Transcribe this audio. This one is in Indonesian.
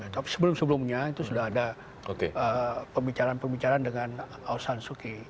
tapi sebelum sebelumnya itu sudah ada pembicaraan pembicaraan dengan ausan suu kyi